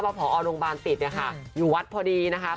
ผอโรงพยาบาลติดอยู่วัดพอดีนะคะ